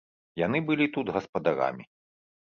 Яны былі тут гаспадарамі.